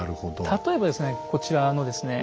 例えばですねこちらのですね